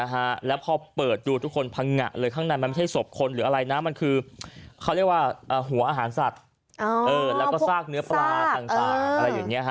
เออแล้วก็ซากเนื้อปลาทางฟางหรือยังเงี้ยฮะ